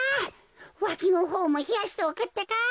わきのほうもひやしておくってか。